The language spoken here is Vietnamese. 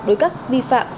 đối cấp vi phạm